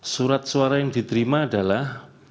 surat suara yang diterima adalah